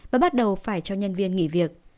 và bắt đầu phải cho nhân viên nghỉ việc